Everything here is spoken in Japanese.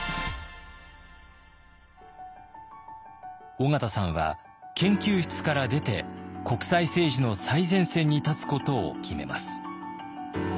緒方さんは研究室から出て国際政治の最前線に立つことを決めます。